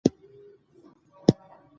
خوب مې ليدلی کال به اباد وي،